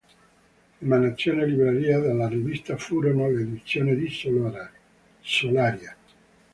Emanazione libraria della rivista furono le Edizioni di Solaria.